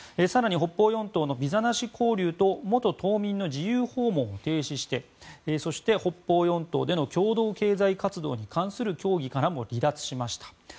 更に北方四島のビザなし交流と元島民の自由訪問を停止してそして、北方四島での共同経済活動に関する協議からも離脱しました。